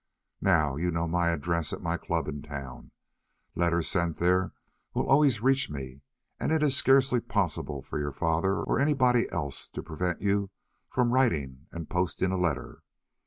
Now you know my address at my club in town; letters sent there will always reach me, and it is scarcely possible for your father or anybody else to prevent you from writing and posting a letter.